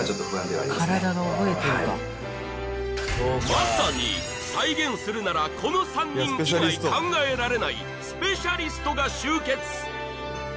まさに再現するならこの３人以外考えられないスペシャリストが集結